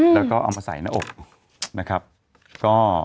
แล้วก็เอามาใส่หน้าอก